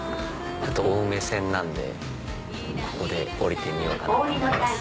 青梅線なんでここで降りてみようかなと思います。